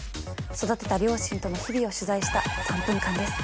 育てた両親との日々を取材した３分間です。